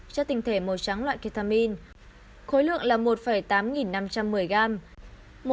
chất tinh thể màu trắng loại ketamine khối lượng là một tám nghìn năm trăm một mươi gram